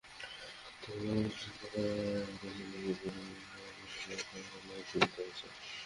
তো চিন্তা করো এর পেছনে কী পরিমাণ লোক আর ক্ষমতার লড়াই জড়িত আছে!